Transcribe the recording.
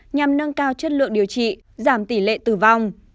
nhằm nâng cao chất lượng điều trị giảm tỷ lệ tử vong